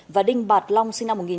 và đinh bạt long